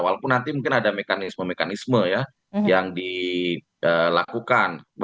walaupun nanti mungkin ada mekanisme mekanisme yang dilakukan